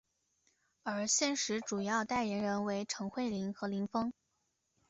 而现时主要代言人为陈慧琳和林峰。